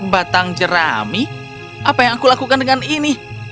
batang jerami apa yang aku lakukan dengan ini